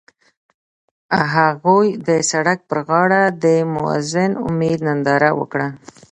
هغوی د سړک پر غاړه د موزون امید ننداره وکړه.